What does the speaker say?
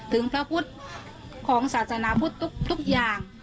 พระพุทธของศาสนาพุทธทุกอย่าง